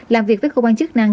làm việc với cơ quan chức năng